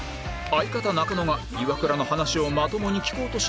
相方中野がイワクラの話をまともに聞こうとしないとの事